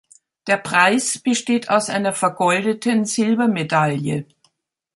Der Preis besteht aus einer vergoldeten Silbermedaille.